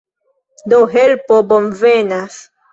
Do, helpo bonvenas.